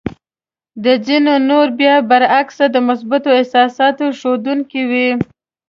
د ځينو نورو بيا برعکس د مثبتو احساساتو ښودونکې وې.